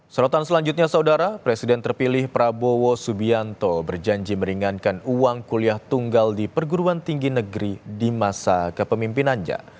sorotan selanjutnya saudara presiden terpilih prabowo subianto berjanji meringankan uang kuliah tunggal di perguruan tinggi negeri di masa kepemimpinannya